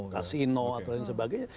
kasino dan sebagainya